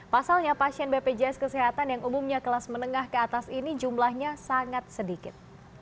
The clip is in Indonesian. pasalnya pasien bpjs kesehatan yang umumnya kelas menengah ke atas ini jumlahnya sangat sedikit